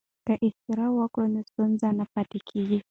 که اختراع وکړو نو ستونزه نه پاتې کیږي.